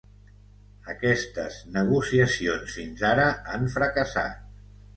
Aquestes negociacions fins ara han fracassat.